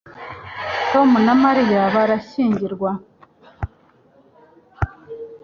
tom na Mariya barashyingirwa